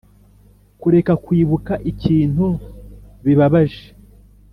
kureka kwibuka ibintu bibabaje